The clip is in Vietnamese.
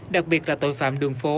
đặc biệt là tội phạm đường phố